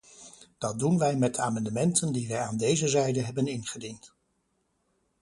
Dat doen wij met de amendementen die wij aan deze zijde hebben ingediend.